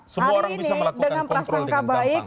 semua orang bisa melakukan kontrol dengan gampang